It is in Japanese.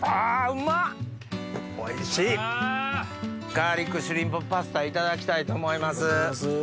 ガーリックシュリンプパスタいただきたいと思います。